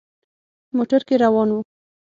موټر کې روان وو.